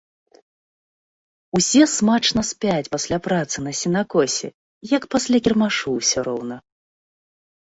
Усе смачна спяць пасля працы на сенакосе, як пасля кірмашу ўсё роўна.